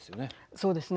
そうですね。